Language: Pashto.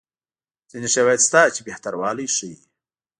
ځیني شواهد شته چې بهتروالی ښيي.